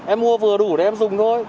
em mua vừa đủ để em dùng thôi